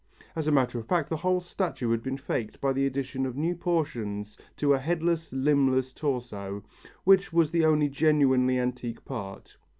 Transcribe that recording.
As a matter of fact, the whole statue had been faked by the addition of new portions to a headless, limbless torso, which was the only genuinely antique part.